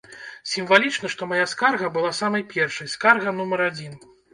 Сімвалічна, што мая скарга была самай першай, скарга нумар адзін!